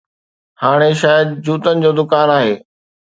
هاڻي شايد جوتن جو دڪان آهي.